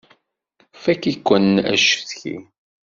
Fakk-iken acetki!